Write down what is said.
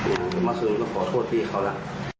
มองจะมาซื้อนะครับหาขอโทษที่เขาล่ะ